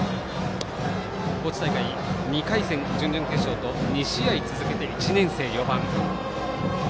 高知大会２回戦準々決勝と２試合続けて１年生、４番。